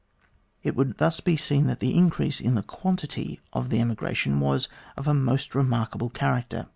It would thus be seen that the increase in the quantity of the emigration was of a most re markable character.